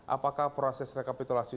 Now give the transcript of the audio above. apakah proses rekapitulasi